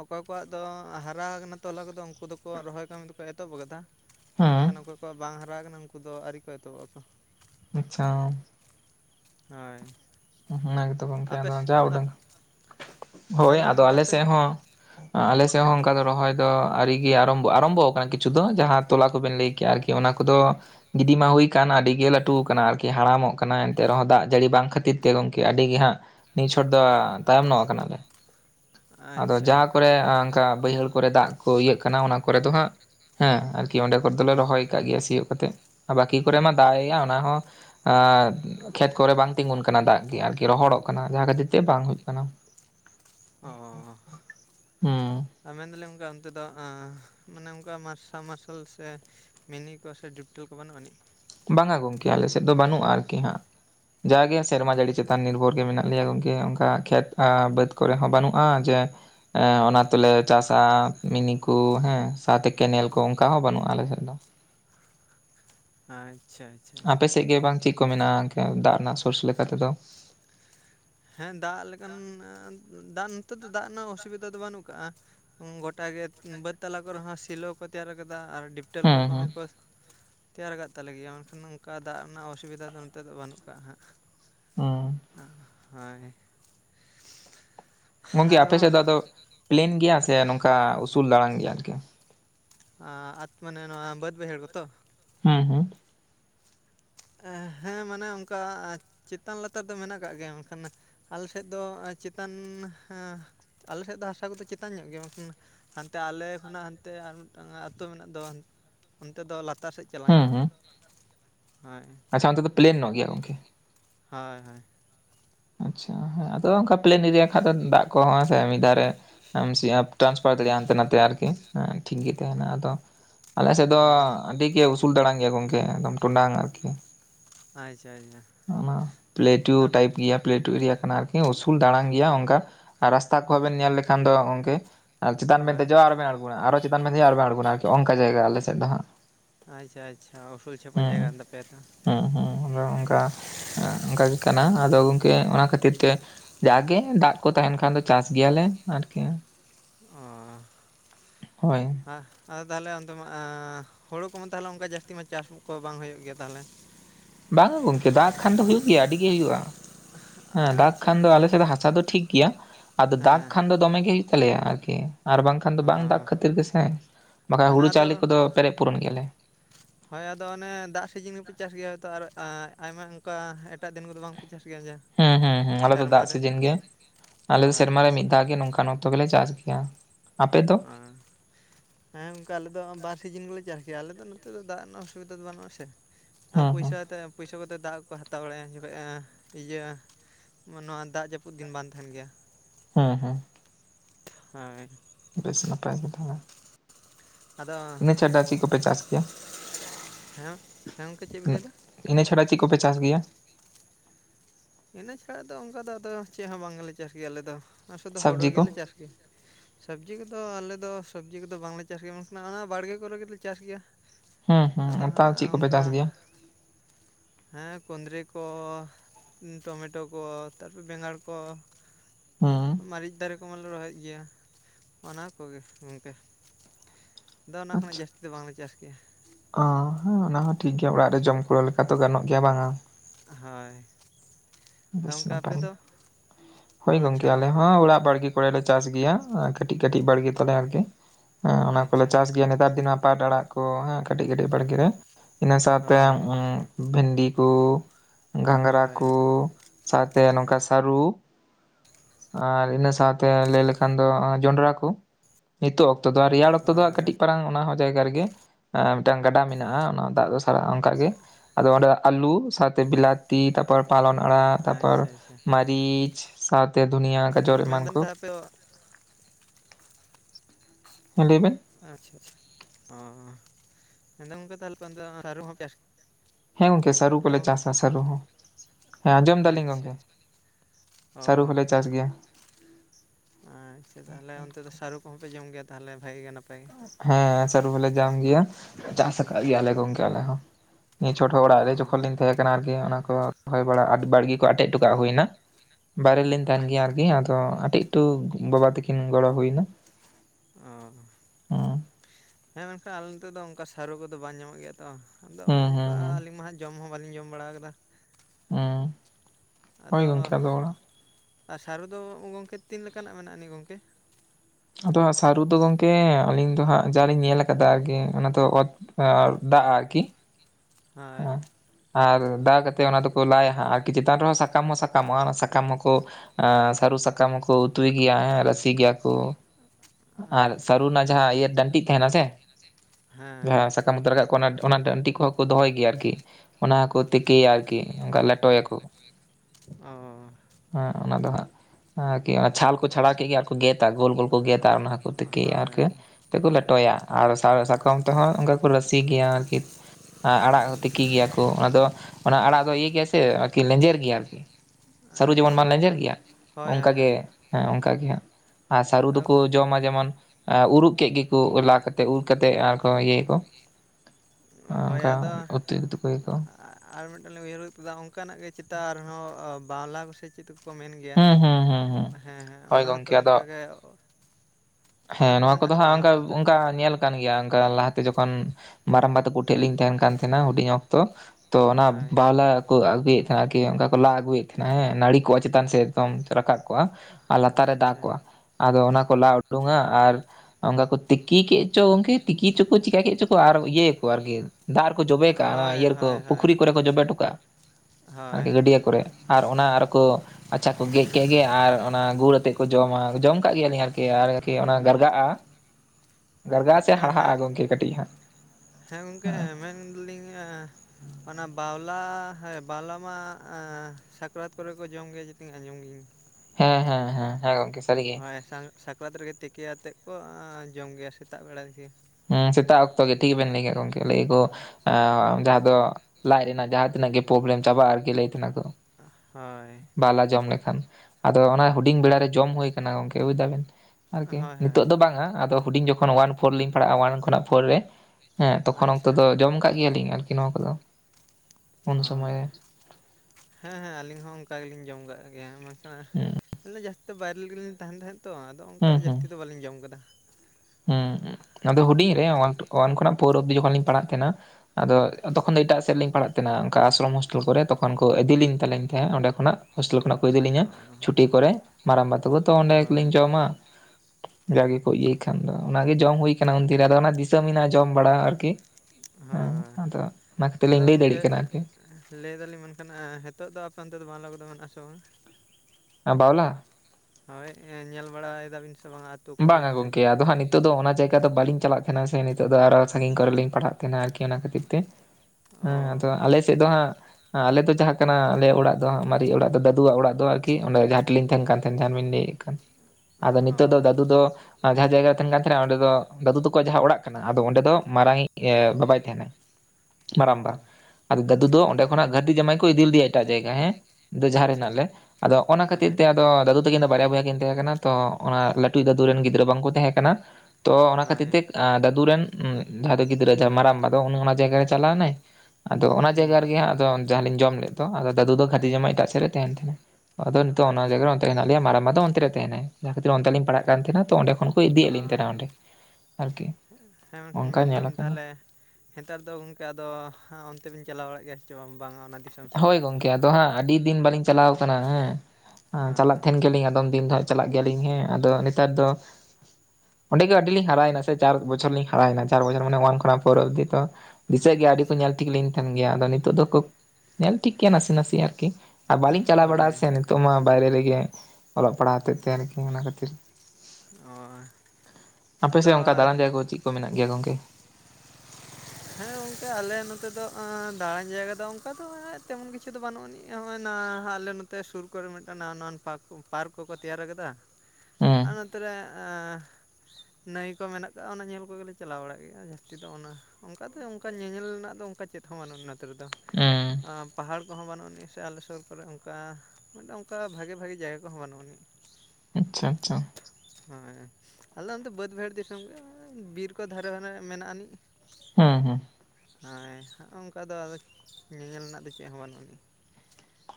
ᱚᱠᱚᱭ ᱠᱚᱣᱟᱜ ᱫᱚ ᱦᱟᱨᱟ ᱠᱟᱱᱟ ᱛᱚᱞᱟ ᱠᱚᱫᱚ ᱩᱝᱠᱩ ᱫᱚᱠᱚ ᱨᱚᱦᱚᱭ ᱠᱟᱹᱢᱤ ᱫᱚᱠᱚ ᱮᱛᱚᱦᱚᱵ ᱟᱠᱟᱫᱟ ᱾ ᱦᱩᱸ ᱮᱠᱷᱟᱱ ᱚᱠᱚᱭ ᱠᱚᱣᱟᱜ ᱵᱟᱝ ᱦᱟᱨᱟ ᱠᱟᱱᱟ ᱩᱱᱠᱩ ᱫᱚ ᱟᱹᱣᱨᱤ ᱠᱚ ᱮᱛᱚᱵᱚᱜ ᱟᱠᱚ ᱾ ᱟᱪᱪᱷᱟ ᱾ ᱦᱳᱭ, ᱦᱮᱸ ᱚᱱᱟ ᱜᱮᱛᱚ ᱜᱚᱢᱠᱮ ᱟᱯᱮ ᱟᱫᱚ ᱡᱟ ᱩᱰᱟᱝ ᱾ ᱦᱳᱭ ᱢᱮᱱᱫᱟᱞᱤᱧ ᱟᱫᱚ ᱚᱱᱠᱟ ᱟᱞᱮ ᱟᱯᱮ ᱥᱮᱜ ᱦᱚᱸ, ᱟᱞᱮ ᱥᱜ ᱦᱳᱭ ᱦᱚᱸ ᱚᱱᱠᱟ ᱫᱚ ᱨᱚᱦᱚᱭ ᱫᱚ ᱟᱨᱤᱜᱮᱭᱟ ᱟᱨᱚᱢᱵᱚ ᱟᱨᱚᱢᱵᱚ ᱠᱟᱱᱟ ᱾ ᱠᱤᱪᱷᱩ ᱫᱚ ᱡᱟᱸᱦᱟᱸ ᱛᱚᱞᱟ ᱠᱚᱵᱮᱱ ᱞᱟᱹᱭ ᱠᱮᱜᱼᱟ ᱟᱨᱠᱤ ᱚᱱᱟ ᱠᱚ ᱫᱚ ᱜᱤᱰᱤ ᱢᱟ ᱦᱩᱭ ᱟᱠᱟᱱ ᱟᱹᱰᱤ ᱜᱮ ᱞᱟᱹᱴᱩ ᱟᱠᱟᱱᱟ ᱾ ᱟᱨᱠᱤ ᱦᱟᱲᱟᱢᱚᱜ ᱠᱟᱱᱟ, ᱮᱱᱛᱮ ᱨᱮᱦᱚᱸ ᱫᱟᱜ ᱡᱟᱲᱤ ᱵᱟᱝ ᱠᱷᱟᱹᱛᱤᱨ ᱛᱮ ᱜᱚᱢᱠᱮ ᱟᱹᱰᱤ ᱜᱮ ᱦᱟᱸᱜ ᱱᱤ ᱪᱷᱚᱴ ᱫᱚ ᱛᱟᱭᱚᱢᱚᱜ ᱠᱟᱱᱟᱞᱮ, ᱟᱫᱚ ᱟᱪᱪᱷᱟ ᱡᱟᱦᱟᱸ ᱠᱚᱨᱮ ᱚᱱᱠᱟ ᱵᱟᱹᱭᱦᱟᱹᱲ ᱠᱚ ᱠᱚᱚᱨ ᱫᱟᱜ ᱠᱚ ᱤᱭᱟᱹᱜ ᱠᱟᱱᱟ, ᱚᱱᱟ ᱠᱚᱨᱮ ᱫᱚ ᱦᱟᱸᱜ ᱦᱮᱸ ᱟᱨᱠᱤ ᱚᱸᱰᱮ ᱠᱚᱨᱮ ᱫᱚᱞᱮ ᱦᱮᱸ ᱨᱚᱦᱚᱭ ᱟᱜ ᱜᱮ ᱥᱤᱭᱳᱜ ᱠᱟᱛᱮᱜ ᱾ ᱵᱟᱠᱤ ᱠᱚᱨᱮ ᱢᱟ ᱫᱟᱜᱭᱟ ᱚᱱᱟ ᱦᱚᱸ ᱠᱷᱮᱛ ᱠᱚᱨᱮ ᱵᱟᱝ, ᱛᱤᱸᱜᱩᱱ ᱠᱟᱱᱟ ᱫᱟᱜ ᱜᱮ, ᱟᱨᱠᱤ ᱨᱚᱦᱚᱲᱚᱜ ᱠᱟᱱᱟ ᱡᱟᱦᱟᱸ ᱠᱷᱟᱹᱛᱤᱨ ᱛᱮ ᱵᱟᱝ ᱦᱩᱭᱩᱜ ᱠᱟᱱᱟ ᱾ ᱚᱸ, ᱢᱮᱱᱫᱟᱞᱤᱧ, ᱚᱱᱠᱟ ᱚᱱᱛᱮ ᱫᱚ ᱢᱟᱱᱮ ᱚᱱᱠᱟ ᱢᱟᱨᱥᱟᱞ ᱢᱟᱨᱥᱟᱞ ᱥᱮ ᱢᱮᱱᱤ ᱠᱚ ᱥᱮ [unintelligible] ᱰᱤᱯᱴᱮᱞ ᱠᱚ ᱵᱟᱹᱱᱩᱜ ᱟᱹᱱᱤᱡ? ᱵᱟᱝᱼᱟ ᱜᱚᱢᱠᱮ, ᱟᱞᱮ ᱥᱮᱫ ᱫᱚ ᱵᱟᱹᱱᱩᱜᱼᱟ ᱟᱨᱠᱤ ᱦᱟᱸᱜ᱾ ᱡᱟᱜᱮ ᱥᱮᱨᱢᱟ ᱡᱟᱹᱲᱤ ᱪᱮᱛᱟᱱ ᱱᱤᱨᱵᱷᱚᱨ ᱜᱮ ᱢᱮᱱᱟᱜ ᱞᱮᱭᱟ ᱜᱚᱢᱠᱮ᱾ ᱚᱱᱠᱟ ᱠᱷᱮᱛ ᱵᱟᱹᱫᱽ ᱠᱚᱨᱮ ᱦᱚᱸ ᱵᱟᱹᱱᱩᱜᱼᱟ, ᱡᱮ ᱚᱱᱟ ᱛᱮᱞᱮ ᱪᱟᱥᱟ᱾ ᱢᱤᱱᱤ ᱠᱚ ᱦᱮᱸ, ᱥᱟᱶᱛᱮ ᱠᱮᱱᱮᱞ ᱠᱚ ᱚᱱᱠᱟ ᱦᱚᱸ ᱵᱟᱹᱱᱩᱜᱼᱟ ᱟᱞᱮᱥᱮᱫ ᱫᱚ᱾ ᱟᱪᱪᱷᱟ᱾ ᱟᱪᱪᱷᱟ ᱟᱪᱪᱷᱟ ᱟᱯᱮ ᱥᱮᱫ ᱜᱮ ᱵᱟᱝ ᱪᱮᱫ ᱠᱚ ᱢᱮᱱᱟᱜᱼᱟ, ᱫᱟᱜ ᱨᱮᱱᱟᱜ ᱥᱳᱨᱥ ᱞᱮᱠᱟ ᱛᱮᱫᱚ? ᱦᱮᱸ ᱫᱟᱜ ᱞᱮᱠᱟᱱ, ᱫᱟᱜ ᱱᱤᱛᱮ ᱫᱚ ᱫᱟᱜ ᱨᱮᱱᱟᱜ ᱚᱥᱩᱵᱤᱫᱷᱟ ᱫᱚ ᱵᱟᱹᱱᱩᱜ ᱠᱟᱜᱼᱟ᱾ ᱜᱚᱴᱟᱜᱮ ᱵᱟᱹᱫᱽ ᱛᱟᱞᱟ ᱠᱚᱨᱮ ᱦᱚᱸ ᱥᱮᱞᱚ ᱠᱚ ᱛᱮᱭᱟᱨ ᱠᱟᱫᱟ᱾ ᱟᱨ ᱰᱤᱯᱴᱮᱞ ᱦᱩᱸ ᱦᱩᱸ ᱠᱚᱠᱚᱦᱚᱸ ᱠᱚ ᱛᱮᱭᱟᱨ ᱠᱟᱜ ᱛᱟᱞᱮ ᱜᱮᱭᱟ᱾ ᱢᱮᱱᱠᱷᱟᱱ ᱱᱚᱝᱠᱟ ᱫᱟᱜ ᱨᱮᱱᱟᱜ ᱚᱥᱩᱵᱤᱫᱷᱟ ᱫᱚ ᱱᱤᱛᱚᱜ ᱫᱚ ᱵᱟᱹᱱᱩᱜ ᱠᱟᱜ ᱦᱟᱸᱜ᱾ ᱦᱩᱸ ᱦᱳᱭ᱾ ᱜᱚᱝᱠᱮ ᱟᱯᱮ ᱥᱮᱫ ᱫᱚ ᱟᱫᱚ, ᱯᱞᱮᱱ ᱜᱮᱭᱟ ᱥᱮ ᱱᱚᱝᱠᱟ ᱩᱥᱩᱞ ᱫᱟᱲᱟᱱ ᱜᱮᱭᱟ ᱟᱨᱠᱤ? ᱟᱛ ᱢᱟᱱᱮ, ᱱᱚᱣᱟ ᱵᱟᱸᱫᱽ ᱵᱟᱹᱭᱦᱟᱹᱲ ᱠᱚᱛᱚ᱾ ᱦᱮᱸ ᱦᱮᱸ᱾ ᱦᱮᱸ ᱢᱟᱱᱮ ᱚᱱᱠᱟ, ᱪᱮᱛᱟᱱ ᱞᱟᱛᱟᱨ ᱫᱚ ᱢᱮᱱᱟᱜ ᱠᱟᱜ ᱜᱮᱭᱟ᱾ ᱢᱮᱱᱠᱷᱟᱱ ᱟᱞᱮ ᱥᱮᱫ ᱫᱚ ᱪᱮᱛᱟᱱ, ᱟᱞᱮ ᱥᱮᱫ ᱫᱚ ᱦᱟᱥᱟ ᱠᱚᱫᱚ ᱪᱮᱛᱟᱱ ᱧᱚᱜ ᱜᱮᱭᱟ᱾ ᱢᱮᱱᱠᱷᱟᱱ ᱦᱟᱱᱛᱮ ᱟᱞᱮ ᱠᱷᱚᱱᱟᱜ ᱦᱟᱱᱛᱮ ᱟᱨ ᱢᱮᱜᱴᱟᱝ ᱟᱛᱳ ᱢᱮᱱᱟᱜ ᱫᱚ, ᱚᱱᱛᱮ ᱫᱚ ᱞᱟᱫ ᱛᱟᱨ ᱥᱮᱫ ᱪᱟᱞᱟᱣ ᱦᱩᱸ ᱧᱚᱜ ᱦᱩᱸ ᱠᱟᱱᱟ, ᱦᱚᱭ ᱾ ᱟᱪᱪᱷᱟ ᱚᱱᱛᱮ ᱫᱚ ᱯᱞᱮᱱ ᱱᱚᱜ ᱜᱮᱭᱟ ᱜᱚᱝᱠᱮ ᱾ ᱦᱳᱭ, ᱦᱳᱭ ᱾ ᱟᱪᱪᱷᱟ᱾ ᱦᱮᱸ ᱟᱫᱚ ᱚᱱᱠᱟ ᱯᱞᱮᱱ ᱮᱨᱤᱭᱟ ᱠᱷᱟ ᱫᱚ ᱫᱟᱜ ᱠᱚ ᱦᱚᱸ ᱢᱤᱫ ᱫᱟᱨᱮ ᱟᱢᱥᱤ ᱴᱟᱱᱥᱯᱷᱟᱨ ᱫᱟᱲᱮᱭᱟᱜᱼᱟ, ᱦᱟᱱᱛᱮ ᱱᱟᱛᱮ ᱟᱨᱠᱤ᱾ ᱦᱮᱸ ᱴᱷᱤᱠ ᱜᱮ ᱛᱟᱦᱮᱱᱟ ᱟᱫᱚ᱾ ᱟᱞᱮ ᱥᱮᱫ ᱫᱚ ᱦᱳᱭ ᱟᱹᱰᱤ ᱜᱮ ᱩᱥᱩ ᱫᱟᱲᱟᱝ ᱜᱮᱭᱟ ᱜᱚᱝᱠᱮ, ᱮᱠᱫᱚᱢ ᱴᱚᱰᱟᱝ ᱟᱨᱠᱤ᱾ ᱟᱪᱪᱷᱟ ᱟᱪᱪᱷᱟ ᱚᱱᱟ ᱯᱞᱮ ᱴᱩ ᱚᱱᱟ ᱟᱯᱮ ᱴᱟᱭᱤᱯ ᱜᱮᱭᱟ᱾ ᱯᱞᱮᱴᱩ ᱮᱨᱤᱭᱟ ᱠᱟᱱᱟ ᱟᱨᱠᱤ᱾ ᱩᱥᱩᱞ ᱫᱟᱲᱟᱝ ᱜᱮᱭᱟ ᱚᱱᱠᱟ ᱾ᱨᱟᱥᱛᱟ ᱠᱚᱦᱚᱸ ᱵᱮᱱ ᱧᱮᱞ ᱞᱮᱠᱷᱟᱱ ᱫᱚ ᱜᱚᱝᱠᱮ, ᱟᱨ ᱪᱮᱛᱟᱱ ᱵᱮᱱ ᱦᱳᱭ ᱫᱮᱡᱚᱜᱼᱟ ᱟᱨᱦᱚᱸ ᱵᱮᱱ ᱟᱬᱜᱚᱱᱟ, ᱟᱨᱦᱚᱸ ᱪᱮᱛᱟᱱ ᱵᱮᱱ ᱫᱮᱡᱚᱜᱼᱟ ᱟᱨ ᱵᱮᱱ ᱟᱬᱜᱚᱱᱟ ᱟᱨᱠᱤ᱾ ᱚᱱᱠᱟ ᱡᱟᱭᱜᱟ ᱟᱞᱮ ᱥᱮᱫ ᱫᱚ ᱦᱟᱸᱜ᱾ ᱟᱪᱪᱷᱟ ᱟᱪᱪᱷᱟ, ᱩᱥᱩᱞ ᱪᱷᱮᱯᱚ ᱦᱩᱸ ᱡᱟᱭᱜᱟ ᱠᱟᱱ ᱛᱟᱯᱮᱭᱟ ᱛᱚ᱾ ᱦᱩᱸ ᱦᱩᱸ, ᱟᱫᱚ ᱚᱱᱠᱟ ᱟᱸᱜ ᱚᱱᱠᱟ ᱜᱮ ᱚ ᱠᱟᱱᱟ᱾ ᱟᱫᱚ ᱜᱚᱝ ᱠᱮ ᱚᱱᱟ ᱠᱷᱟᱹᱛᱤᱨ ᱛᱮ, ᱡᱟᱜᱮ ᱫᱟᱜ ᱠᱚ ᱛᱟᱦᱮᱱ ᱠᱷᱟᱱ ᱫᱚ ᱪᱟᱥ ᱜᱮᱭᱟᱞᱮ ᱟᱨᱠᱤ᱾ ᱦᱳᱭ ᱚᱦᱚ ᱟᱫᱚ ᱛᱟᱦᱚᱞᱮ ᱚᱱᱛᱮ ᱢᱟ, ᱦᱳᱲᱳ ᱠᱚᱢᱟ ᱛᱟᱦᱚᱞᱮ ᱚᱱᱠᱟ ᱡᱟᱹᱥᱛᱤ ᱢᱟ ᱪᱟᱥ ᱠᱚ ᱵᱟᱝ ᱦᱳᱭᱚᱜ ᱜᱮᱭᱟ ᱛᱟᱦᱚᱞᱮ? ᱵᱟᱝᱼᱟ ᱜᱚᱝᱠᱮ, ᱫᱟᱜ ᱠᱷᱟᱱ ᱫᱚ ᱦᱩᱭᱩᱜ ᱜᱮᱭᱟ ᱟᱹᱰᱤ ᱜᱮ ᱦᱩᱭᱩᱜᱼᱟ᱾ ᱦᱟᱸ ᱫᱟᱜ ᱟᱪᱪᱷᱟ ᱠᱷᱟᱱ ᱫᱚ ᱟᱪᱪᱷᱟ ᱟᱞᱮ ᱥᱮᱫ ᱫᱚ ᱦᱟᱥᱟ ᱫᱚ ᱴᱷᱤᱠ ᱜᱮᱭᱟ᱾ ᱟᱫᱚ ᱫᱟᱜ ᱦᱮᱸ ᱠᱷᱟᱱ ᱫᱚ ᱫᱚᱢᱮ ᱜᱮ ᱦᱩᱭᱩᱜ ᱛᱟᱞᱮᱭᱟ᱾ ᱟᱨᱠᱤ ᱟᱨ ᱵᱟᱝᱠᱷᱟᱱ ᱫᱚ ᱚ ᱵᱟᱝ ᱫᱟᱜ ᱠᱷᱟᱹᱛᱤᱨ ᱜᱮᱥᱮ, ᱵᱟᱠᱷᱟᱱ ᱢᱟᱱᱮ ᱦᱩᱲᱩ ᱪᱟᱹᱣᱞᱮ ᱟᱫᱚ ᱠᱚᱫᱚ ᱯᱮᱨᱮᱡ ᱯᱩᱨᱚᱱ ᱜᱮᱭᱟᱞᱮ᱾ ᱦᱳᱭ ᱟᱫᱚ ᱚᱱᱮ ᱫᱟᱜ ᱥᱤᱡᱤᱱ ᱜᱮᱯᱮ ᱪᱟᱥ ᱜᱮᱭᱟ ᱛᱚ, ᱟᱨ ᱟᱭ ᱟᱭᱢᱟ ᱚᱱᱠᱟ ᱮᱴᱟᱜ ᱫᱤᱱ ᱠᱚᱫᱚ ᱵᱟᱝᱯᱮ ᱪᱟᱥ ᱜᱮᱭᱟ ᱪᱮ? ᱦᱩᱸ ᱦᱩᱸ ᱦᱩᱸ, ᱟᱞᱮ ᱫᱚ ᱫᱟᱜ ᱥᱤᱡᱤᱱ ᱜᱮ ᱟᱞᱮ ᱫᱚ ᱦᱳᱭ ᱥᱮᱸᱨᱢᱟ ᱨᱮ ᱢᱤᱫ ᱫᱷᱟᱣ ᱜᱮ ᱱᱚᱝᱠᱟᱱ ᱚᱠᱛᱚ ᱜᱮᱞᱮ ᱪᱟᱥ ᱜᱮ᱾ ᱜᱮᱭᱟ ᱟᱯᱮ ᱫᱚ? [unintelligible] ᱦᱮᱸ ᱜᱚᱝᱠᱮ ᱟᱞᱮ ᱫᱚ ᱵᱟᱨ ᱥᱤᱡᱤᱱ ᱜᱮᱞᱮ ᱪᱟᱥ ᱜᱮᱭᱟ᱾ ᱟᱞᱮ ᱫᱚ ᱱᱚᱛᱮ ᱫᱚ ᱫᱟᱜ ᱨᱮᱱᱟᱜ ᱚᱥᱩᱵᱤᱫᱟ ᱫᱚ ᱵᱟᱹᱱᱩᱜᱼᱟ ᱥᱮ ᱾ ᱟᱨ ᱦᱩᱸ ᱦᱩᱸ ᱯᱚᱭᱥᱟ ᱛᱮ ᱯᱚᱭᱥᱟ ᱠᱚᱛᱮ ᱫᱟᱜ ᱠᱚ ᱦᱟᱛᱟᱣ ᱵᱟᱲᱟᱭᱟ, ᱡᱚᱠᱷᱚᱱ ᱤᱭᱟᱹ ᱢᱟᱱᱮ ᱱᱚᱣᱟ ᱫᱟᱜ ᱡᱟᱹᱯᱩᱫ ᱫᱤᱱ ᱵᱟᱝ ᱛᱟᱦᱮᱱ ᱜᱮᱭᱟ ᱾ ᱦᱚᱸ ᱦᱚᱸ᱾ ᱦᱳᱭ ᱾ ᱵᱮᱥ ᱱᱟᱯᱟᱭ ᱜᱮ ᱛᱟᱦᱮᱱᱟ ᱟᱫᱚ ᱤᱱᱟᱹ ᱪᱷᱟᱰᱟ ᱪᱤᱜ ᱠᱚᱯᱮ ᱪᱟᱥ ᱜᱮᱭᱟ? ᱦᱮᱸ ᱦᱮᱸ ᱜᱚᱝᱠᱮ ᱪᱮᱫ ᱵᱤᱱ ᱞᱟᱹᱭ ᱤᱱᱟᱹᱜ ᱮᱫᱟ ᱤᱱᱟᱹ ᱪᱷᱟᱰᱟ ᱪᱤᱜ ᱠᱚᱯᱮ ᱪᱟᱥ ᱜᱮᱭᱟ? ᱤᱱᱟᱹ ᱪᱷᱟᱲᱟ ᱫᱚ ᱚᱝᱠᱟ ᱫᱚ ᱟᱫᱚ ᱪᱮᱫ ᱦᱚᱸ ᱵᱟᱝ ᱞᱮ ᱪᱟᱥ ᱜᱮᱭᱟ ᱟᱞᱮ ᱫᱚ ᱟᱨ ᱥᱩᱫᱩ ᱦᱳᱲᱳ ᱥᱚᱵᱽᱡᱤ ᱜᱮᱞᱮ ᱠᱚ? ᱪᱟᱥ ᱜᱮᱭᱟ᱾ ᱥᱟᱵᱡᱤ ᱠᱚᱫᱚ ᱟᱞᱮ ᱫᱚ ᱥᱟᱵᱡᱤ ᱠᱚᱫᱚ ᱵᱟᱝ ᱞᱮ ᱪᱟᱥ ᱜᱮᱭᱟ, ᱢᱮᱱᱠᱷᱟᱱ ᱚᱱᱟ ᱵᱟᱲᱜᱮ ᱠᱚᱨᱮ ᱜᱮᱞᱮ ᱪᱟᱥ ᱜᱮᱭᱟ᱾ ᱦᱩᱸ ᱟᱫᱚ ᱦᱩᱸ ᱦᱟᱸᱜ ᱛᱟᱣ ᱪᱮᱫ ᱠᱚᱯᱮ ᱚᱝᱠᱟ ᱪᱟᱥ ᱜᱮᱭᱟ? ᱦᱮᱸ ᱠᱩᱸᱫᱽᱨᱤ ᱠᱚ ᱴᱚᱢᱮᱴᱳ ᱠᱚ ᱛᱟᱨᱯᱚᱨᱮ ᱵᱮᱸᱜᱟᱲ ᱠᱚ᱾ ᱦᱩᱸ᱾ ᱢᱟᱹᱨᱤᱪ ᱫᱟᱨᱮ ᱠᱚ ᱢᱟᱞᱮ ᱨᱚᱦᱚᱭᱮᱫ ᱜᱮᱭᱟ, ᱚᱱᱟ ᱠᱚᱜᱮ ᱜᱚᱝᱠᱮ᱾ ᱟᱫᱚ ᱚᱱᱟ ᱠᱷᱚᱱᱟᱜ ᱟᱪᱪᱷᱟ ᱡᱟᱹᱥᱛᱤ ᱫᱚ ᱵᱟᱝ ᱞᱮ ᱪᱟᱥ ᱜᱮᱭᱟ᱾ ᱚ ᱦᱚᱸ ᱚᱱᱟ ᱦᱚᱸ ᱴᱷᱤᱠ ᱜᱮᱭᱟ, ᱚᱲᱟᱜ ᱨᱮ ᱡᱚᱢ ᱠᱩᱲᱟᱹᱣ ᱞᱮᱠᱟᱛᱚ ᱜᱟᱱᱚᱜ ᱜᱮᱭᱟ ᱵᱟᱝᱼᱟ᱾ ᱦᱚᱭ᱾ ᱵᱮᱥ ᱱᱟᱯᱟᱭ ᱦᱳᱭ ᱦᱳᱲᱳ ᱜᱚᱝᱠᱮ ᱪᱷᱟᱲᱟ ᱟᱞᱮ ᱚᱱᱠᱟ ᱦᱚᱸ ᱚᱲᱟᱜ ᱵᱟᱲᱜᱮ ᱠᱚᱨᱮᱞᱮ ᱪᱟᱥ ᱜᱮᱭᱟ, ᱠᱟᱹᱴᱤᱡ ᱠᱟᱹᱴᱤᱡ ᱵᱟᱲᱜᱮ ᱛᱟᱞᱮ ᱟᱨᱠᱤ᱾ ᱦᱮᱸ ᱚᱱᱟ ᱠᱚᱞᱮ ᱟᱪᱪᱷᱟ ᱪᱟᱥ ᱜᱮᱭᱟ ᱱᱮᱛᱟᱨ ᱫᱤᱱ ᱢᱟ ᱯᱟᱴ ᱟᱲᱟᱜ ᱠᱚ ᱦᱮᱸ ᱠᱟᱹᱴᱤᱡ ᱠᱟᱹᱴᱤᱡ ᱵᱟᱲᱜᱮ ᱨᱮ᱾ ᱤᱱᱟᱹ ᱥᱟᱶᱛᱮ ᱦᱳᱭ ᱵᱷᱤᱱᱰᱤ ᱠᱩ, ᱜᱷᱟᱸᱜᱽᱨᱟ ᱦᱳᱭ ᱠᱩ ᱾ ᱥᱟᱶᱛᱮ ᱱᱚᱝᱠᱟ ᱥᱟᱹᱨᱩ᱾ ᱟᱨ ᱤᱱᱟᱹ ᱥᱟᱶᱛᱮ ᱞᱟᱹᱭ ᱞᱮᱠᱷᱟᱱ ᱫᱚ ᱡᱚᱱᱰᱨᱟ ᱠᱩ᱾ ᱱᱤᱛᱚᱜ ᱚᱠᱛᱚ ᱫᱚ ᱨᱮᱭᱟᱲ ᱚᱠᱛᱚ ᱫᱚ ᱦᱳᱭ ᱠᱟᱹᱴᱤᱡ ᱯᱟᱨᱟᱝ ᱚᱱᱟ ᱦᱚᱸ ᱡᱟᱭᱜᱟ ᱨᱮᱜᱮ ᱢᱤᱫᱴᱟᱝ ᱜᱟᱰᱟ ᱢᱤᱱᱟᱜᱼᱟ ᱚᱱᱟ ᱫᱟᱜ ᱫᱚ ᱟᱨᱚ ᱚᱱᱠᱟ ᱜᱮ ᱟᱫᱚ ᱚᱸᱰᱮ ᱟᱞᱩ ᱥᱟᱶᱛᱮ ᱵᱤᱞᱟ ᱛᱤ ᱛᱟᱯᱚᱨ ᱯᱟᱞᱚᱱ ᱟᱲᱟ ᱛᱟᱯᱚᱨ ᱟᱪᱪᱷᱟ ᱟᱪᱪᱷᱟ ᱢᱟᱹᱨᱤᱪ ᱥᱟᱶᱛᱮ ᱫᱷᱩᱱᱤᱭᱟ, ᱜᱟᱡᱚᱨ ᱜᱚᱝᱠᱮ ᱮᱢᱟᱱ ᱢᱮᱱᱫᱟᱹᱧ ᱠᱩ᱾ ᱛᱟᱦᱞᱮ ᱟᱯᱮ ᱫᱚ ᱦᱮᱸ ᱞᱟᱹᱭ ᱵᱮᱱ᱾ ᱟᱪᱪᱷᱟ ᱟᱪᱪᱷᱟ ᱚ ᱦᱮᱸᱛᱚ ᱜᱚᱝᱠᱮ ᱛᱟᱦᱚᱞᱮ ᱚᱱᱛᱮ ᱫᱚ ᱥᱟᱹᱨᱩ ᱦᱚᱸᱯᱮ ᱪᱟᱥ ᱦᱮᱸ ᱜᱚᱝᱠᱮ ᱥᱟᱹᱨᱩ ᱠᱚᱞᱮ ᱦᱮᱞᱳ ᱪᱟᱥᱟ ᱥᱟᱹᱨᱩ ᱦᱚᱸ, ᱦᱮᱸ ᱟᱸᱡᱚᱢ ᱫᱟᱞᱤᱧ ᱟᱪᱪᱷᱟ ᱜᱚᱝᱠᱮ᱾ ᱚ ᱥᱟᱹᱨᱩ ᱦᱚᱸᱞᱮ ᱪᱟᱥ ᱜᱮᱭᱟ᱾ ᱟᱸᱪᱪᱷᱟ ᱛᱟᱦᱚᱞᱮ ᱚᱱᱛᱮ ᱫᱚ ᱥᱟᱹᱨᱩ ᱠᱚᱦᱚᱸ ᱯᱮ ᱡᱚᱢ ᱜᱮᱭᱟ ᱛᱟᱦᱚᱞᱮ ᱵᱷᱟᱜᱮ ᱜᱮ ᱱᱟᱯᱟᱭ ᱜᱮ᱾ ᱦᱮᱸ ᱥᱟᱹᱨᱩ ᱦᱚᱸᱞᱮ ᱡᱟᱢ ᱜᱮᱭᱟ ᱪᱟᱥ ᱟᱠᱟᱫ ᱜᱮᱭᱟᱞᱮ ᱜᱚᱝᱠᱮ ᱟᱞᱮ ᱦᱚᱸ ᱱᱤᱭᱟᱹ ᱪᱷᱚᱴ ᱦᱚᱸ ᱜᱮ ᱚᱲᱟᱜ ᱚ ᱨᱮ ᱡᱚ ᱛᱚᱠᱷᱚᱱ ᱞᱤᱧ ᱛᱟᱦᱮᱸ ᱠᱟᱱᱟ ᱟᱨᱠᱤ ᱚᱱᱟ ᱠᱚ ᱨᱚᱦᱚᱭ ᱵᱟᱲᱟ ᱵᱟᱲᱜᱮ ᱠᱚ ᱟᱴᱮᱫ ᱦᱚᱴᱚ ᱠᱟᱜ ᱦᱩᱭ ᱱᱟ ᱾ ᱵᱟᱦᱨᱮ ᱨᱮᱞᱤᱧ ᱛᱟᱦᱮᱱ ᱜᱮᱭᱟ ᱟᱪᱪᱷᱟ ᱟᱨᱠᱤ ᱟᱫᱚ ᱟᱴᱤᱫ ᱦᱩᱴᱩ ᱵᱟᱵᱟ ᱛᱟᱹᱠᱤᱱ ᱜᱚᱲᱚ ᱦᱩᱭ ᱱᱟ ᱾ ᱚᱸᱻ᱾ ᱦᱮᱸ ᱢᱮᱱᱠᱷᱟᱱ ᱟᱞᱮ ᱱᱚᱱᱛᱮ ᱫᱚ ᱚᱱᱠᱟ ᱥᱟᱹᱨᱩ ᱠᱚᱫᱚ ᱵᱟᱝ ᱧᱟᱢᱚᱜ ᱜᱮᱭᱟ ᱛᱚ, ᱟᱫᱚ ᱦᱩᱸ ᱦᱩᱸ ᱚᱱᱠᱟ ᱦᱩᱸ ᱟᱹᱞᱤᱧ ᱢᱟ ᱦᱟᱸᱜ ᱡᱚᱢ ᱦᱚᱸ ᱵᱟᱹᱞᱤᱧ ᱡᱚᱢ ᱵᱟᱲᱟᱣ ᱠᱟᱫᱟ᱾ ᱚ ᱸ᱾ ᱟᱫᱚ ᱥᱟᱹᱨᱩ ᱫᱚ ᱜᱚᱝᱠᱮ ᱛᱤᱱ ᱞᱮᱠᱟᱱᱟᱜ ᱢᱮᱱᱟᱜ ᱟᱹᱱᱤᱡ ᱜᱚᱝᱠᱮ? ᱟᱫᱚ ᱥᱟᱹᱨᱩ ᱫᱚ ᱜᱚᱝᱠᱮ ᱟᱹᱞᱤᱧ ᱫᱚ ᱦᱟᱸᱜ ᱡᱟᱞᱤᱧ ᱧᱮᱞ ᱟᱠᱟᱫᱟ ᱟᱨᱠᱤ ᱚᱱᱟ ᱫᱚ ᱚᱛ ᱟᱨ ᱫᱟᱜ ᱟᱨᱠᱤ᱾ ᱦᱚᱸᱭ᱾ ᱦᱮᱸ ᱟᱨ ᱫᱟ ᱠᱟᱛᱮᱫ ᱚᱱᱟ ᱫᱚᱠᱚ ᱞᱟᱭᱟ ᱦᱟᱸᱜ ᱟᱨᱠᱤ, ᱪᱮᱛᱟᱱ ᱨᱮᱦᱚᱸ ᱥᱟᱠᱟᱢ ᱦᱚᱸ ᱥᱟᱠᱟᱢᱚᱜᱼᱟ ᱚᱱᱟ ᱥᱟᱠᱟᱢ ᱦᱚᱸᱠᱚ ᱥᱟᱹᱨᱩ ᱥᱟᱠᱟᱢ ᱦᱚᱸᱠᱚ ᱩᱛᱩᱭ ᱜᱮᱭᱟ ᱨᱟᱥᱤ ᱜᱮᱭᱟᱠᱚ ᱟᱨ ᱟᱪᱪᱷᱟ ᱥᱟᱹᱨᱩ ᱨᱮᱱᱟᱜ ᱡᱟᱦᱟᱸ ᱤᱭᱟᱹ ᱰᱟᱹᱱᱴᱤᱡ ᱛᱟᱦᱮᱱᱟ ᱥᱮ, ᱦᱮᱸ ᱡᱟᱦᱟᱸ ᱥᱟᱠᱟᱢ ᱩᱛᱟᱹᱨ ᱠᱟᱜᱼᱟ ᱠᱚ ᱚᱱᱟ ᱰᱟᱹᱱᱴᱤᱡ ᱠᱚᱦᱚᱸ ᱠᱚ ᱫᱚᱦᱚᱭ ᱜᱮᱭᱟ ᱟᱨᱠᱤ ᱚᱱᱟ ᱦᱚᱸᱠᱚ ᱛᱮᱠᱮᱭᱟ ᱟᱨᱠᱤ ᱚᱱᱠᱟ ᱞᱮᱴᱚᱭᱟᱠᱚ᱾ ᱚ ᱦᱮᱸ ᱚᱱᱟ ᱫᱚ ᱦᱟᱸᱜ ᱟᱨᱠᱤ ᱚᱱᱟ ᱪᱷᱟᱞ ᱠᱚ ᱪᱷᱟᱲᱟᱣ ᱠᱮᱫ ᱜᱮ ᱟᱨ ᱠᱚ ᱜᱮᱫᱟ ᱜᱳᱞ ᱜᱳᱞ ᱠᱚ ᱜᱮᱫᱟ ᱚᱱᱟ ᱦᱚᱸᱠᱚ ᱛᱮᱠᱮᱭᱟ ᱦᱳᱭ ᱟᱨᱠᱤ᱾ ᱛᱮᱠᱚ ᱞᱮᱴᱚᱭᱟ ᱟᱨ ᱥᱟᱠᱟᱢ ᱛᱮᱫ ᱦᱚᱸ ᱚᱱᱠᱟ ᱠᱚ ᱨᱟᱥᱤ ᱜᱮᱭᱟ ᱟᱨᱠᱤ ᱟᱲᱟᱜ ᱛᱤᱠᱤ ᱜᱮᱭᱟᱠᱚ ᱚᱱᱟ ᱫᱚ ᱚᱱᱟ ᱟᱲᱟᱜ ᱫᱚ ᱤᱭᱟᱹ ᱜᱮᱭᱟ ᱥᱮ ᱟᱨᱠᱤ ᱞᱮᱧᱡᱮᱨ ᱜᱮᱭᱟ ᱟᱨᱠᱤ᱾ ᱥᱟᱹᱨᱩ ᱡᱮᱢᱚᱱ ᱟᱪᱪᱷᱟ ᱵᱟᱝ ᱞᱮᱸᱡᱮᱨ ᱜᱮᱭᱟ ᱦᱳᱭ ᱚᱱᱠᱟ ᱜᱮ ᱦᱳᱭ ᱦᱮᱸ ᱚᱱᱠᱟ ᱜᱮ ᱦᱟᱸᱜ ᱟᱨ ᱥᱟᱹᱨᱩ ᱦᱳᱭ ᱫᱚᱠᱚ ᱡᱚᱢᱟ ᱠᱚ, ᱡᱮᱢᱚᱱ ᱩᱨᱩᱜ ᱠᱮᱫ ᱜᱮᱠᱚ ᱞᱟ ᱠᱟᱛᱮ ᱩᱨ ᱠᱟᱛᱮᱜ ᱦᱳᱭ ᱚᱱᱠᱟ ᱟᱫᱚ ᱩᱛᱩ ᱛᱩᱠᱩᱭᱟᱠᱚ ᱟᱨ ᱢᱤᱫᱴᱟᱝ ᱩᱭᱦᱟᱹᱨ ᱠᱮᱫᱟ ᱚᱱᱠᱟᱱᱟᱜ ᱜᱮ ᱪᱮᱛᱟᱱ ᱟᱨᱦᱚᱸ ᱵᱟᱣᱞᱟ ᱠᱚᱥᱮ ᱪᱮᱫ ᱛᱮᱠᱚᱠᱚ ᱢᱮᱱ ᱜᱮᱭᱟ ᱦᱩᱸ ᱦᱩᱸ ᱦᱩᱸ ᱦᱩᱸ ᱦᱮᱸ ᱦᱮᱸ ᱦᱳᱭ ᱚᱱᱟ ᱦᱚᱸᱛᱚ ᱜᱚᱝᱠᱮ ᱟᱫᱚ ᱚᱱᱠᱟ ᱜᱮ, ᱦᱮᱸ ᱱᱚᱣᱟ ᱠᱚᱫᱚ ᱦᱟᱸᱜ ᱚᱱᱠᱟ ᱟᱯᱮ ᱚᱱᱛᱮ ᱨᱮ ᱚᱱᱠᱟ ᱧᱮᱞ ᱠᱟᱱ ᱜᱮᱭᱟ, ᱞᱟᱦᱟᱛᱮ ᱡᱚᱠᱷᱚᱱ ᱢᱟᱨᱟᱝᱵᱟ ᱛᱮ ᱠᱚᱴᱷᱮᱡ ᱞᱤᱧ ᱛᱟᱦᱮᱱ ᱠᱟᱱ ᱛᱟᱦᱮᱸᱟᱸᱱᱟ ᱦᱩᱰᱤᱧ ᱚᱠᱛᱚ ᱾ ᱛᱚ ᱚᱱᱟ ᱦᱳᱭ ᱵᱟᱣᱞᱟ ᱠᱚ ᱟᱹᱜᱩᱭᱮᱫ ᱛᱟᱦᱮᱱᱟ ᱠᱤ ᱚᱱᱠᱟ ᱠᱚ ᱞᱟ ᱟᱹᱜᱩᱭᱮᱫ ᱛᱟᱦᱮᱱᱟ ᱦᱮᱸ ᱱᱟᱹᱲᱤ ᱠᱚᱜᱼᱟ ᱪᱮᱛᱟᱱ ᱥᱮᱫ ᱾ ᱨᱟᱠᱟᱵ ᱠᱚᱜᱼᱟ ᱟᱨ ᱞᱟᱛᱟᱨ ᱨᱮ ᱫᱟᱜ ᱟᱪᱪᱷᱟ ᱠᱚᱜᱼᱟ ᱟᱫᱚ ᱚᱱᱟ ᱠᱚ ᱞᱟ ᱩᱰ ᱰᱚᱝᱜᱟ, ᱟᱨ ᱚᱝᱜᱟ ᱠᱚ ᱛᱤᱠᱤ ᱠᱮᱫ ᱪᱚ ᱜᱚᱝᱠᱮ ᱛᱤᱠᱤᱪᱚ ᱠᱚ ᱪᱤᱠᱟ ᱠᱮᱫ ᱪᱚ ᱟᱨ ᱤᱭᱟᱹᱭᱟ ᱠᱚ ᱟᱨᱠᱤ, ᱫᱟᱜ ᱨᱮᱠᱚ ᱡᱚᱵᱮ ᱠᱟᱜᱼᱟ ᱦᱳᱭ ᱾ ᱤᱭᱟᱹ ᱦᱳᱭ ᱨᱮᱠᱚ ᱦᱳᱭ ᱯᱩᱠᱷᱨᱤ ᱠᱚᱨᱮ ᱠᱚ ᱡᱚᱵᱮᱴᱚ ᱠᱟᱜᱼᱟ ᱦᱳᱭ ᱟᱨᱠᱤ ᱜᱟᱹᱰᱭᱟᱹ ᱠᱚᱨᱮ, ᱟᱨ ᱚᱱᱟ ᱟᱨᱠᱚ ᱟᱪᱪᱷᱟ ᱠᱚ ᱜᱮᱫ ᱠᱮᱫ ᱜᱮ ᱟᱨ ᱚᱱᱟ ᱜᱩᱲ ᱟᱛᱮᱮᱫ ᱠᱚ ᱡᱚᱢᱟ ᱡᱚᱢ ᱠᱟᱜ ᱜᱮᱭᱟᱞᱤᱧ ᱟᱨᱠᱤ ᱾ᱟᱨ ᱠᱤ ᱚᱱᱟ ᱜᱟᱨᱜᱟᱜᱼᱟ ᱾ ᱟᱪᱪᱷᱟ ᱦᱮᱸ ᱜᱚᱝᱠᱮ ᱠᱟᱹᱴᱤᱡ ᱦᱟᱸᱜ ᱦᱮᱸ ᱜᱚᱝᱠᱮ ᱢᱮᱱ ᱮᱫᱟᱞᱤᱧ, ᱚᱱᱟ ᱵᱟᱣᱞᱟ ᱦᱮᱸ ᱵᱟᱣᱞᱟ ᱢᱟ ᱥᱟᱠᱨᱟᱛ ᱠᱚᱨᱮ ᱠᱚ ᱡᱚᱢ ᱜᱮᱭᱟ ᱪᱮᱛᱟᱧ ᱟᱸᱡᱚᱢ ᱜᱤᱭᱟᱹᱧ ᱾ ᱦᱮᱸ ᱦᱮᱸ ᱦᱮᱸ ᱦᱮᱸ ᱜᱚᱝᱠᱮ ᱥᱟᱹᱨᱤᱜᱮ ᱦᱳᱭ ᱥᱟ ᱥᱟᱠᱨᱟᱛ ᱨᱮᱜᱮ ᱛᱮᱠ ᱤᱠᱮᱭᱟᱛᱮᱫ ᱠᱚ ᱡᱚᱢ ᱜᱮᱭᱟ ᱥᱮᱛᱟᱜ ᱵᱮᱲᱟ ᱨᱮᱜᱮ ᱾ ᱦᱮᱸ ᱥᱮ ᱛ ᱚᱠᱛ ᱜᱮ ᱴᱷᱤᱠ ᱟᱠᱟ ᱞᱟ. ᱭ ᱟᱠᱟᱜ ᱠᱚᱣᱟ ᱜᱚᱢᱠᱮ, ᱞᱟᱹᱭᱟ ᱠᱚ ᱡᱟᱦᱟᱸ ᱫᱚ ᱞᱟᱡ ᱨᱮᱱᱟᱜ ᱡᱟᱦᱟᱸ ᱛᱤᱱᱟᱹᱜ ᱜᱮ ᱯᱨᱚᱵᱞᱮᱢ ᱪᱟᱵᱟᱜᱼᱟ, ᱟᱨᱠᱤ ᱞᱟᱹᱭ ᱛᱮᱱᱟᱜ ᱠᱚ ᱾ ᱦᱳᱭ, ᱵᱟᱞᱟ ᱡᱚᱢ ᱞᱮᱠᱷᱟᱱ ᱟᱫᱚ ᱚᱱᱟ ᱦᱩᱰᱤᱧ ᱵᱮᱲᱟ ᱨᱮ ᱡᱚᱢ ᱦᱩ ᱟᱠᱟᱱᱟ ᱜᱚᱝᱠᱮ ᱵᱩ ᱫᱟᱵᱮᱱ ᱾ ᱟᱨᱠᱤ ᱦᱳᱭ ᱦᱳᱭ ᱱᱤᱛᱚᱜ ᱫᱚ ᱵᱟᱝᱼᱟ ᱾ᱟᱫᱚ ᱦᱩᱰᱤᱧ ᱡᱚᱠᱷᱚᱱ ᱚᱣᱟᱱ ᱯᱷᱳᱨ ᱞᱤᱧ ᱯᱟᱲᱦᱟᱜᱼᱟ ᱚ ᱠᱷᱚᱱᱟᱜ ᱯᱷᱳᱨ ᱨᱮ ᱦᱮᱸ ᱛᱚᱠᱷᱚᱱ ᱚᱠᱛᱚ ᱟᱪᱪᱷᱟ ᱫᱚ ᱡᱚᱢ ᱟᱠᱟᱟᱜ ᱜᱮᱭᱟᱞᱤᱤᱧ ᱟᱨᱠᱤ ᱱᱚᱣᱟ ᱠᱚᱫᱚ ᱩᱱ ᱚ ᱥᱚᱢᱚᱭ ᱾ ᱦᱮᱸ ᱦᱮᱸ ᱟᱹᱞᱤᱧ ᱦᱚᱸ ᱚᱱᱠᱟ ᱜᱮᱞᱤᱧ ᱡᱚᱢ ᱠᱟᱜ ᱜᱮᱭᱟ ᱢᱮᱱᱠᱷᱟᱱ, ᱦᱩᱸ ᱚ ᱵᱟᱭᱨᱮ ᱨᱮ ᱜᱮᱞᱤᱧ ᱛᱟᱦᱮᱱ ᱛᱟᱦᱮᱸᱫ ᱛᱚ ᱟᱫᱚ ᱚᱱᱠᱟ ᱡᱟᱹᱥᱛᱤ ᱫᱚ ᱵᱟᱞᱤᱧ ᱡᱚᱢ ᱠᱟᱫᱟ ᱾ ᱦᱮᱸ ᱟᱫᱚ ᱦᱩᱰᱤᱧ ᱨᱮ ᱚᱣᱟᱱ ᱠᱷᱚᱱᱟᱜ ᱯᱷᱳᱨ ᱚᱵᱫᱤ ᱡᱚᱠᱷᱚᱱ ᱞᱤᱧ ᱯᱟᱲᱦᱟᱜ ᱛᱟᱦᱮᱸᱱᱟ ᱟᱫᱚ ᱛᱚᱠᱷᱚᱱ ᱫᱚ ᱮᱴᱟᱜ ᱥᱮᱫ ᱞᱤᱧ ᱯᱟᱲᱦᱟᱜ ᱚᱱᱠᱟ ᱟᱥᱨᱚᱢ ᱦᱳᱥᱴᱮᱞ ᱠᱚᱨᱮ ᱛᱚᱠᱷᱚᱱ ᱠᱚ ᱤᱫᱤᱞᱤᱧ ᱛᱟᱞᱤᱧ ᱛᱟᱦᱮᱸᱫ, ᱚᱸᱰᱮ ᱠᱷᱚᱱ ᱦᱳᱥᱴᱮᱞ ᱠᱷᱚᱱᱟᱜ ᱫᱟᱞᱤᱧᱟ ᱪᱷᱩᱴᱤ ᱠᱚᱨᱮ ᱢᱟᱨᱟᱝᱵᱟ ᱛᱟᱠᱚ ᱛᱚ ᱚᱸᱰᱮ ᱦᱳᱭ ᱜᱮᱞᱤᱧ ᱡᱚᱢᱟ, ᱡᱟᱜᱮ ᱠᱚ ᱤᱭᱟᱹ ᱮᱱᱠᱷᱟᱱ ᱫᱚ ᱚᱱᱟᱜᱮ ᱡᱚᱢ ᱦᱩᱭ ᱟᱠᱟᱱᱟ ᱩᱱᱛᱤ ᱨᱮ ᱟᱫᱚ ᱚᱱᱟ ᱜᱮ ᱫᱤᱥᱟᱹ ᱢᱮᱱᱟᱜᱼᱟ ᱡᱚᱢ ᱵᱟᱲᱟ ᱟᱨᱠᱤ ᱾ ᱦᱮᱸ ᱦᱳᱭ ᱟᱫᱚ ᱚᱱᱟ ᱠᱷᱟᱹᱛᱤᱨ ᱟᱫᱚ ᱞᱤᱧ ᱞᱟᱹᱭ ᱜᱚᱝᱠᱮ ᱫᱟᱲᱮᱭᱟᱜ ᱠᱟᱱᱟ ᱟᱨᱠᱤ ᱾ ᱞᱟᱹᱭ ᱫᱟᱞᱤᱧ ᱢᱮᱱᱠᱷᱟᱱ ᱱᱤᱛᱳ ᱫᱚ ᱟᱯᱮ ᱚᱱᱛᱮ ᱫᱚ ᱵᱟᱶᱞᱟ ᱠᱚ ᱫᱚ ᱢᱮᱱᱟᱜᱼᱟ ᱟᱥᱮ ᱵᱟᱝᱼᱟ? ᱦᱮᱸ ᱵᱟᱶᱞᱟ? ᱦᱳᱭ ᱧᱮᱞ ᱵᱟᱲᱟᱭ ᱮᱫᱟ ᱵᱤᱱ ᱥᱮ ᱵᱟᱝᱼᱟ? ᱵᱟᱝᱼᱟ ᱜᱚᱝᱠᱮ ᱟᱫᱚᱦᱟᱜ ᱱᱤᱛᱚᱜ ᱫᱚ ᱚᱱᱟ ᱡᱟᱭᱜᱟ ᱫᱚ ᱵᱟᱞᱤᱧ ᱪᱟᱞᱟᱜ ᱛᱟᱦᱮᱱᱟ ᱥᱮ ᱱᱤᱛᱚᱜ ᱫᱚ ᱟᱨᱚ ᱥᱟᱺᱜᱤᱧ ᱠᱚᱨᱮ ᱞᱤᱧ ᱯᱟᱲᱦᱟᱜ ᱛᱟᱦᱮᱱᱟ ᱟᱨᱠᱤ ᱚᱱᱟ ᱠᱷᱟᱹᱛᱤᱨ ᱛᱮ ᱚ ᱦᱮᱸ ᱟᱫᱚ ᱟᱞᱮ ᱥᱮᱫ ᱫᱚ ᱦᱟᱸᱜ ᱟᱞᱮ ᱫᱚ ᱡᱟᱦᱟᱸ ᱠᱟᱱᱟ ᱟᱞᱮ ᱚᱲᱟᱜ ᱫᱚ ᱢᱟᱨᱮ ᱚᱲᱟᱜ ᱫᱚ ᱫᱟᱫᱩᱣᱟᱜ ᱚᱲᱟᱜ ᱫᱚ ᱟᱨᱠᱤ ᱚᱸᱰᱮ ᱡᱟᱦᱟᱸ ᱴᱮᱱᱮᱞᱤᱧ ᱛᱟᱦᱮᱱ ᱠᱟᱱ ᱛᱟᱦᱮᱱ ᱡᱟᱦᱟ ᱵᱤᱱ ᱞᱟᱹᱭᱮᱫ ᱠᱟᱱ ᱟᱫᱚ ᱱᱤᱛᱚᱜ ᱫᱚ ᱦᱚᱸ ᱫᱟᱫᱩ ᱫᱚ, ᱡᱟᱦᱟᱸ ᱡᱟᱭᱜᱟ ᱨᱮ ᱛᱟᱦᱮᱱ ᱠᱟᱱ ᱛᱟᱦᱮᱱᱟ ᱚᱸᱰᱮ ᱫᱚ ᱫᱟᱫᱩ ᱛᱟᱠᱚᱣᱟᱜ ᱡᱟᱦᱟᱸ ᱚᱲᱟᱜ ᱠᱟᱱᱟ, ᱟᱫᱚ ᱚᱸᱰᱮ ᱫᱚ ᱢᱟᱨᱟᱝ ᱤᱡ ᱵᱟᱵᱟᱭ ᱛᱟᱦᱮᱱᱟᱭ ᱾ ᱚ ᱢᱟᱨᱟᱝ ᱵᱟ, ᱟᱨ ᱫᱟᱹᱫᱩ ᱫᱚ ᱚᱸᱰᱮ ᱠᱷᱚᱱᱟᱜ ᱜᱟᱹᱨᱫᱤ ᱡᱟᱶᱟᱭ ᱠᱚ ᱤᱫᱤ ᱞᱮᱫᱮᱭᱟ ᱮᱴᱟᱜ ᱡᱟᱭᱜᱟ ᱦᱮᱸ ᱡᱟᱦᱟᱸ ᱨᱮ ᱟᱪᱪᱷᱟ ᱦᱮᱱᱟᱜ ᱞᱮ ᱟᱫᱚ ᱚᱱᱟ ᱠᱷᱟᱹᱛᱤᱨ ᱦᱳᱭ ᱛᱮ ᱟᱫᱚ ᱫᱟᱫᱩ ᱠᱤᱱ ᱫᱚ ᱵᱟᱨᱭᱟ ᱵᱚᱭᱦᱟ ᱠᱤᱱ ᱛᱟᱦᱮᱸ ᱠᱟᱱᱟ ᱛᱚ ᱚᱱᱟ ᱞᱟᱹᱴᱩ ᱫᱟᱹᱫᱩ ᱨᱮᱱ ᱜᱤᱫᱽᱨᱟᱹ ᱵᱟᱝ ᱠᱚ ᱛᱟᱦᱮᱸ ᱠᱟᱱᱟ ᱾ ᱛᱚ ᱚᱱᱟ ᱠᱷᱟᱹᱛᱤᱨ ᱦᱳᱭ ᱛᱮ ᱫᱟᱫᱩ ᱨᱮᱱ ᱡᱟᱦᱟᱸᱭ ᱫᱚ ᱜᱤᱫᱽᱨᱟᱹ ᱡᱟᱸᱦᱟᱭ ᱢᱟᱨᱟᱝ ᱵᱟ ᱫᱚ ᱚᱱᱟ ᱡᱟᱭᱜᱟ ᱨᱮ ᱪᱟᱞᱟᱣᱱᱟᱭ ᱟᱫᱚ ᱚᱱᱟ ᱦᱩᱸ ᱡᱟᱭᱜᱟ ᱨᱮᱜᱮ ᱦᱟᱸᱜ ᱟᱫᱚ ᱡᱟᱦᱟᱸ ᱞᱤᱧ ᱡᱚᱢ ᱞᱮᱫ ᱫᱚ ᱟᱫᱚ ᱫᱟᱫᱩ ᱫᱚ ᱠᱷᱟᱹᱨᱫᱤ ᱡᱟᱢᱟᱭ ᱮᱴᱟᱜ ᱥᱮᱫ ᱨᱮ ᱛᱟᱦᱮᱸᱱ ᱛᱟᱦᱮᱸᱱᱟᱭ᱾ ᱟᱫᱚ ᱱᱤᱛᱚᱜ ᱚᱱᱟ ᱡᱟᱭᱜᱟ ᱟᱪᱪᱷᱟ ᱨᱮ ᱚᱱᱛᱮ ᱦᱮᱸᱱᱟᱜ ᱞᱤᱭᱟ ᱢᱟᱨᱟᱝ ᱵᱟ ᱫᱚ ᱚᱱᱛᱮ ᱨᱮ ᱛᱟᱦᱮᱸᱱᱟᱭ ᱡᱟᱦᱟᱸ ᱠᱷᱟᱛᱤᱨ ᱚᱱᱛᱮ ᱞᱤᱧ ᱯᱟᱲᱟᱜ ᱠᱟᱱ ᱛᱟᱦᱮᱸᱱᱟ, ᱛᱚ ᱚᱸᱰᱮ ᱠᱷᱚᱱ ᱠᱚ ᱚ ᱤᱫᱤᱭᱮᱫ ᱞᱤᱧ ᱛᱟᱦᱮᱸᱱᱟ ᱚᱸᱰᱮ ᱟᱨᱠᱤ ᱦᱮᱸ ᱢᱮᱱᱠᱷᱟᱱ ᱚᱱᱠᱟ ᱧᱮᱞ ᱢᱮᱱᱫᱟᱞᱤᱧ ᱟᱠᱟᱱᱟ᱾ ᱛᱟᱦᱚᱞᱮ ᱱᱮᱛᱟᱨ ᱫᱚ ᱜᱚᱝᱠᱮ ᱟᱫᱚ ᱚᱱᱛᱮ ᱵᱤᱱ ᱪᱟᱞᱟᱣ ᱵᱟᱲᱟᱜ ᱜᱮᱭᱟ ᱪᱚᱝ ᱵᱟᱝᱟ ᱚᱱᱟ ᱵᱤᱥ ᱦᱳᱭ ᱜᱚᱝᱠᱮ ᱟᱫᱚ ᱦᱟᱸᱜ ᱟᱹᱰᱤ ᱫᱤᱱ ᱵᱟᱞᱤᱧ ᱪᱟᱞᱟᱣ ᱠᱟᱱᱟ ᱦᱮᱸ ᱮᱸ ᱪᱟᱞᱟᱜ ᱛᱟᱦᱮᱸᱱ ᱜᱮ ᱞᱤᱧ ᱟᱫᱚᱢ ᱫᱤᱱ ᱫᱚ ᱦᱟᱸᱜ ᱪᱟᱞᱟᱜ ᱜᱮᱭᱟ ᱞᱤᱧ ᱦᱮᱸ, ᱟᱫᱚ ᱱᱮᱛᱟᱨ ᱫᱚ ᱚᱸᱰᱮᱜᱮ ᱟᱹᱰᱤ ᱞᱤᱧ ᱦᱟᱨᱟᱭᱱᱟ ᱥᱮ ᱪᱟᱨ ᱵᱚᱪᱷᱚᱨ ᱞᱤᱧ ᱦᱟᱨᱟᱭᱱᱟ ᱪᱟᱨ ᱵᱚᱪᱷᱚᱨ ᱢᱟᱱᱮ ᱚᱣᱟᱱ ᱠᱷᱚᱱᱟᱜ ᱯᱷᱚᱨ ᱚᱯᱫᱤ ᱛᱚ ᱫᱤᱥᱟᱹᱜ ᱜᱮᱭᱟ ᱟᱹᱰᱤ ᱠᱚ ᱟᱪᱪᱷᱟ ᱧᱮᱞ ᱴᱷᱤᱠ ᱜᱮᱞᱤᱧ ᱛᱟᱦᱮᱸᱱ ᱜᱮᱭᱟ ᱟᱫᱚ ᱱᱤᱛᱚᱜ ᱫᱚᱠᱚᱜ ᱧᱮᱞ ᱴᱷᱤᱠ ᱜᱮᱭᱟ ᱱᱟᱥᱮ ᱱᱟᱥᱮ ᱟᱨᱠᱤ ᱟᱨ ᱵᱟᱹᱞᱤᱧ ᱪᱟᱞᱟᱣ ᱵᱟᱲᱟᱜ ᱦᱳᱭ ᱟᱥᱮ ᱱᱤᱛᱚᱜ ᱢᱟ ᱵᱟᱭᱨᱮ ᱨᱮᱜᱮ, ᱚᱞᱚᱜ ᱯᱟᱲᱦᱟᱣ ᱦᱚᱛᱮᱛ ᱛᱮ ᱟᱨᱠᱤ ᱚᱱᱟ ᱠᱷᱟᱹᱛᱤᱨ᱾ ᱚᱸᱻ ᱟᱯᱮᱥᱮᱜ ᱚᱱᱠᱟ ᱫᱟᱬᱟᱱ ᱡᱟᱭᱜᱟ ᱠᱚ ᱪᱮᱜ ᱠᱚ ᱢᱮᱱᱟᱜ ᱜᱮᱭᱟ ᱜᱚᱝᱠᱮ? ᱦᱮᱸ ᱜᱚᱝᱠᱮ ᱟᱞᱮ ᱱᱚᱛᱮ ᱫᱚ ᱟᱸ ᱫᱟᱬᱟᱱ ᱡᱟᱭᱜᱟ ᱫᱚ ᱚᱱᱠᱟ ᱫᱚ ᱛᱮᱢᱚᱱ ᱠᱤᱪᱷᱩ ᱫᱚ ᱵᱟᱹᱱᱩᱜ ᱟᱹᱱᱤᱡ᱾ ᱦᱚᱸᱜᱼᱚᱭ ᱱᱟ ᱟᱞᱮ ᱱᱚᱛᱮ ᱥᱩᱨ ᱠᱚᱨᱮ ᱢᱤᱫᱴᱟᱝ ᱱᱟᱣᱟᱱ ᱱᱟᱣᱟᱱ ᱯᱟᱨᱠ ᱯᱟᱨᱠ ᱠᱚᱠᱚ ᱛᱮᱭᱟᱨ ᱟᱠᱟᱫᱟ᱾ ᱦᱩᱸ ᱟᱨ ᱱᱚᱛᱮ ᱨᱮ ᱟᱸᱻ ᱱᱟᱹᱭ ᱠᱚ ᱢᱮᱱᱟᱜ ᱠᱟᱜᱼᱟ ᱚᱱᱟ ᱧᱮᱞ ᱠᱚ ᱜᱮᱞᱮ ᱪᱟᱞᱟᱣ ᱵᱟᱲᱟᱜ ᱜᱮᱭᱟ ᱡᱟᱹᱥᱛᱤ ᱫᱚ ᱚᱱᱟ᱾ ᱚᱱᱠᱟ ᱫᱚ ᱚᱱᱠᱟ ᱧᱮᱧᱮᱞ ᱨᱮᱱᱟᱜ ᱫᱚ ᱚᱱᱠᱟ ᱪᱮᱛ ᱪᱮᱫ ᱦᱚᱸ ᱵᱟᱹᱱᱩᱜᱼᱟ ᱱᱚᱛᱮ ᱨᱮᱫᱚ ᱦᱩᱸ ᱟᱸ ᱯᱟᱦᱟᱲ ᱠᱚᱦᱚᱸ ᱵᱟᱹᱱᱩᱜ ᱟᱹᱱᱤᱡ ᱥᱮ ᱟᱞᱮ ᱥᱩᱨ ᱠᱚᱨᱮ ᱚᱱᱠᱟ ᱢᱤᱫᱴᱟᱝ ᱚᱱᱠᱟ ᱵᱷᱟᱜᱮ ᱵᱷᱟᱜᱮ ᱡᱟᱭᱜᱟ ᱠᱚᱦᱚᱸ ᱵᱟᱹᱱᱩᱜ ᱟᱹᱱᱤᱡ᱾ ᱟᱪᱪᱷᱟ ᱟᱪᱪᱷᱟ, ᱦᱳᱭ ᱦᱳᱭ ᱟᱞᱮ ᱚᱱᱛᱮ ᱵᱟᱹᱫᱽ ᱵᱟᱹᱲ ᱫᱤᱥᱚᱢ ᱜᱮ ᱵᱤᱨ ᱠᱚ ᱫᱷᱟᱨᱮ ᱫᱷᱟᱨᱮ ᱢᱮᱱᱟᱜ ᱟᱹᱱᱤᱡ, ᱦᱩᱸ ᱦᱩᱸ ᱦᱚᱭ ᱚᱱᱠᱟᱫᱚ ᱟᱫᱚ ᱧᱮᱧᱮᱞ ᱨᱮᱱᱟᱜ ᱫᱚ ᱪᱮᱜ ᱦᱚᱸ ᱵᱟᱹᱱᱩᱜ ᱟᱹᱱᱤᱡ᱾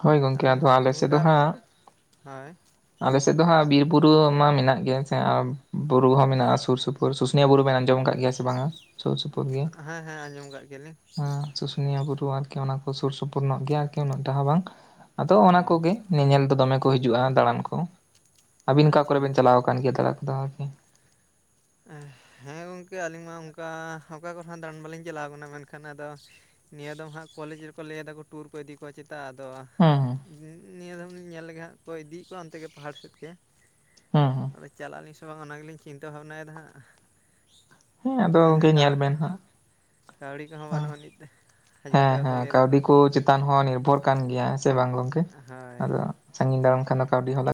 ᱦᱳᱭ ᱜᱚᱝᱠᱮ ᱟᱫᱚ ᱟᱞᱮ ᱥᱮᱫ ᱚᱱᱠᱟ ᱫᱚ ᱦᱟᱸᱜ, ᱦᱳᱭ ᱟᱞᱮ ᱥᱮᱫ ᱫᱚ ᱦᱟᱸᱜ ᱵᱤᱨ ᱵᱩᱨᱩ ᱢᱟ ᱢᱮᱱᱟᱜ ᱜᱮᱭᱟ᱾ ᱥᱮ ᱟᱸ ᱵᱩᱨᱩ ᱦᱚᱸ ᱢᱮᱱᱟᱜᱼᱟ ᱥᱩᱨ ᱥᱩᱯ ᱩᱨ ᱥᱩᱥᱱᱤᱭᱟ ᱵᱩᱨᱩ ᱵᱮᱱ ᱟᱸᱡᱚᱢ ᱠᱟᱜ ᱜᱮᱭᱟ ᱥᱮ ᱵᱟᱝᱟ ᱥᱩᱨ ᱥᱩᱯᱩᱨ ᱜᱮ᱾ ᱦᱮᱸ ᱦᱮᱸ ᱟᱸᱡᱚᱢ ᱠᱟᱜ ᱜᱮᱭᱟᱞᱤᱧ ᱦᱮᱸ ᱥᱩᱥᱩᱱᱤᱭᱟ ᱵᱩᱨᱩ ᱟᱨᱠᱤ ᱚᱱᱟ ᱠᱚ ᱥᱩᱨ ᱥᱩᱯᱩᱨ ᱧᱚᱜ ᱜᱮᱭᱟ ᱟᱨᱠᱤ ᱩᱱᱟᱸᱜ ᱴᱟᱜ ᱦᱚᱸ ᱵᱟᱝ ᱟᱫᱚ ᱚ ᱚᱱᱟ ᱠᱚᱜᱮ ᱧᱮᱧᱮᱞ ᱫᱚ ᱫᱚᱢᱮ ᱠᱚ ᱦᱤᱡᱩᱜᱼᱟ ᱫᱟᱬᱟᱱ ᱠᱚ᱾ ᱟᱹᱵᱤᱱ ᱚᱠᱟ ᱟᱪᱪᱷᱟ ᱠᱚᱨᱮ ᱵᱮᱱ ᱟᱪᱪᱷᱟ ᱪᱟᱞᱟᱣ ᱠᱟᱱ ᱜᱮᱭᱟ ᱫᱟᱨᱟ ᱠᱚᱫᱚ ᱟᱨᱠᱤ? ᱦᱮᱸ ᱜᱚᱝᱠᱮ ᱟᱹᱞᱤᱧ ᱢᱟ ᱚᱱᱠᱟ ᱚᱠᱟ ᱠᱚᱨᱮ ᱦᱚᱸ ᱫᱟᱬᱟᱱ ᱵᱟᱞᱤᱧ ᱪᱟᱞᱟᱣ ᱠᱟᱱᱟ ᱢᱮᱱᱠᱷᱟᱱ ᱟᱫᱚ, ᱱᱤᱭᱟᱹ ᱫᱚ ᱦᱟᱸᱜ ᱠᱚᱞᱮᱡᱽ ᱨᱮᱠᱚ ᱞᱟᱹᱭᱫᱟ ᱠᱚ ᱴᱩᱨ ᱠᱚ ᱤᱫᱤ ᱠᱚᱣᱟ ᱪᱮᱛᱟᱜ ᱟᱫᱚ ᱦᱮᱸ ᱦᱮᱸ᱾ ᱦᱮᱸ ᱱᱤᱭᱟᱹ ᱫᱚᱢᱞᱤᱧ ᱧᱮᱞ ᱞᱮᱜᱮ ᱦᱟᱸᱜ ᱚᱠᱚᱭ ᱤᱫᱤᱭᱮᱜ ᱠᱚᱣᱟ ᱚᱱᱛᱮ ᱜᱮ ᱯᱟᱦᱟᱲ ᱥᱮᱫ ᱜᱮ ᱦᱮᱸ ᱦᱮᱸ᱾ [unintelligible] ᱪᱟᱞᱟᱜ ᱟᱹᱞᱤᱧ ᱥᱮ ᱵᱟᱝᱟ ᱚᱱᱟ ᱜᱮᱞᱤᱧ ᱪᱤᱱᱛᱟᱹ ᱵᱷᱟᱵᱱᱟᱭ ᱫᱟ ᱦᱟᱸᱜ᱾ ᱦᱮᱸ ᱟᱫᱚ ᱦᱮᱸ ᱦᱮᱸ ᱜᱚᱝᱠᱮ ᱧᱮᱞ ᱵᱮᱱ ᱦᱟᱸᱜ [unintelligible] ᱠᱟᱹᱣᱲᱤ ᱠᱚᱦᱚᱸ ᱵᱟᱹᱱᱩᱜ ᱟᱹᱱᱤᱛ ᱦᱟᱡᱟᱨ ᱴᱟᱠᱟ ᱠᱚ ᱞᱟᱹᱭ ᱫᱟᱠᱚ ᱛᱟᱱ ᱦᱚᱸ ᱱᱤᱨᱵᱷᱚᱨ ᱠᱟᱱ ᱜᱮᱭᱟ ᱥᱮ ᱵᱟᱝ ᱜᱚᱝᱠᱮ ᱦᱳᱭ ᱟᱫᱚ ᱥᱟᱺᱜᱤᱧ ᱫᱟᱨᱟᱢ ᱠᱷᱟᱱ ᱫᱚ ᱠᱟᱹᱣᱰᱤ ᱦᱚᱸ ᱞᱟᱹᱠ